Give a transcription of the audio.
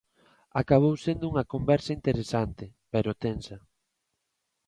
Acabou sendo unha conversa interesante, pero tensa.